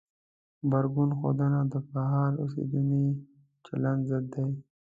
غبرګون ښودنه د فعال اوسېدنې چلند ضد دی.